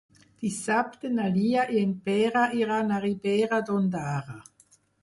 Dissabte na Lia i en Pere iran a Ribera d'Ondara.